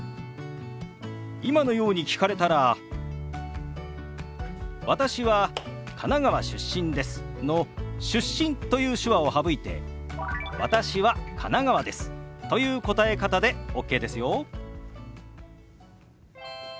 今のように聞かれたら「私は神奈川出身です」の「出身」という手話を省いて「私は神奈川です」という答え方でＯＫですよ。